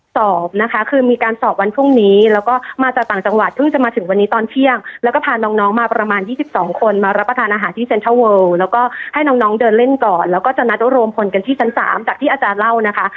สอบนะคะคือมีการสอบวันพรุ่งนี้แล้วก็มาจากต่างจังหวัดเพิ่งจะมาถึงวันนี้ตอนเที่ยงแล้วก็พาน้องน้องมาประมาณ๒๒คนมารับประทานอาหารที่เซ็นทรัลเวิลแล้วก็ให้น้องเดินเล่นก่อนแล้วก็จะนัดรวมพลกันที่ชั้น๓จากที่อาจารย์เล่านะคะ